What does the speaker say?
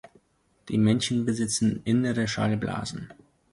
Die Männchen besitzen innere Schallblasen.